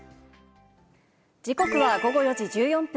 時刻は午後４時１４分。